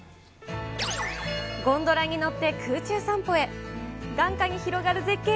ゴンドラに乗って空中散歩へ。